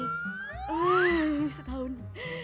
eh setahun setahun pak